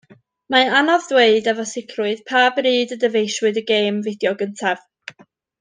Mae'n anodd dweud, efo sicrwydd, pa bryd y dyfeisiwyd y gêm fideo gyntaf.